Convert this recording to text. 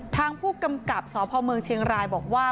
ทางผู้กำกับสพเมืองเชียงรายบอกว่า